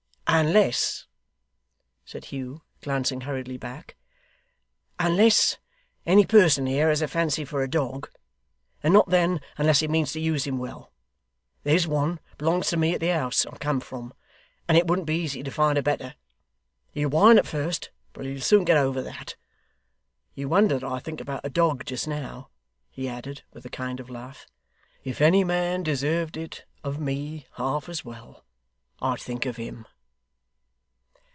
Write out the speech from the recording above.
' Unless,' said Hugh, glancing hurriedly back, 'unless any person here has a fancy for a dog; and not then, unless he means to use him well. There's one, belongs to me, at the house I came from, and it wouldn't be easy to find a better. He'll whine at first, but he'll soon get over that. You wonder that I think about a dog just now,' he added, with a kind of laugh. 'If any man deserved it of me half as well, I'd think of HIM.